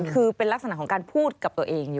คือเป็นลักษณะของการพูดกับตัวเอง